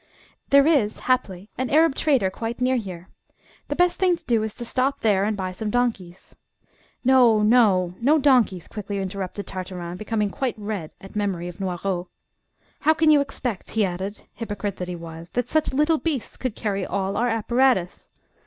"There is, haply, an Arab trader quite near here. The best thing to do is to stop there, and buy some donkeys." "No, no; no donkeys," quickly interrupted Tartarin, becoming quite red at memory of Noiraud. "How can you expect," he added, hypocrite that he was, "that such little beasts could carry all our apparatus?"